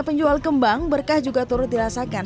penjual kembang berkah juga turut dirasakan